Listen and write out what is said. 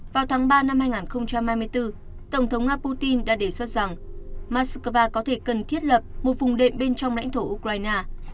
vào tháng ba năm hai nghìn hai mươi bốn tổng thống nga putin đã đề xuất rằng moscow có thể cần thiết lập một vùng đệm bên trong lãnh thổ ukraine